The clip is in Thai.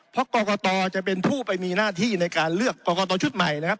เพราะกรกตจะเป็นผู้ไปมีหน้าที่ในการเลือกกรกตชุดใหม่นะครับ